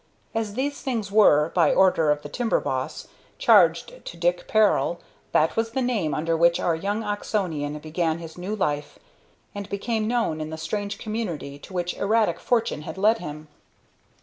As these things were, by order of the timber boss, charged to "Dick Peril," that was the name under which our young Oxonian began his new life and became known in the strange community to which erratic fortune had led him.